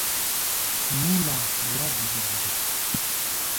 Nú-laa burá buzɛ-buzɛ.